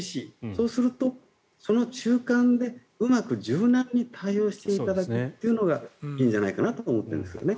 そうするとその中間でうまく柔軟に対応していただくというのがいいんじゃないかと思っているんですね。